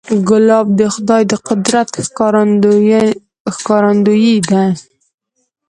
ګلاب د خدای د قدرت ښکارندوی دی.